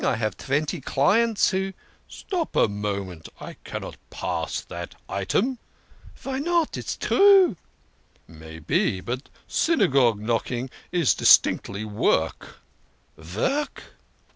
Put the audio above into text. I have tventy clients who "" Stop a minute ! I cannot pass that item." " Vy not? It is true." " Maybe ! But Synagogue knocking is distinctly work !" "York?"